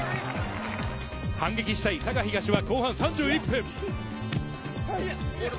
反撃したい佐賀東は後半３１分。